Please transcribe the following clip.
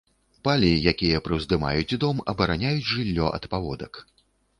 Палі, якія прыўздымаюць дом, абараняюць жыллё ад паводак.